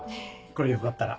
これよかったら。